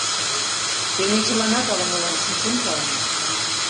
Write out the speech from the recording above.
Тений чыланат ала-молан шинчен кайынешт...